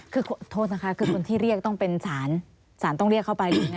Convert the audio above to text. คือโทษนะคะคือคนที่เรียกต้องเป็นสารสารต้องเรียกเข้าไปถูกไหม